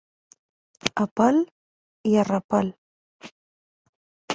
A pèl i a repel.